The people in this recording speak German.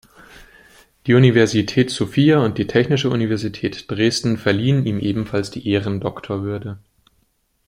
Die Universität Sofia und die Technische Universität Dresden verliehen ihm ebenfalls die Ehrendoktorwürde.